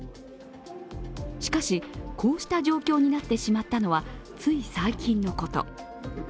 しかし、こうした状況になってしまったのは、つい最近のこと。